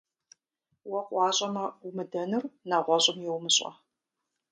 Уэ къыуащӀэмэ умыдэнур нэгъуэщӀым йумыщӀэ.